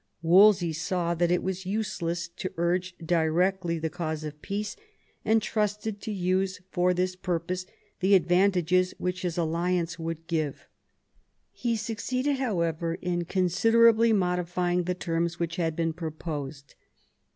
Wolsey saw that it was useless to urge directly the cause of peace, and trusted to use for this purpose the advantages which his alliance would giva 78 THOMAS WOLSEY chap. He succeeded, however, in considerably modifying the terms which had been first proposed.